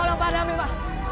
tolong padahal minta